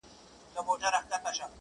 هنر خاموش زر پرستي وه پکښې,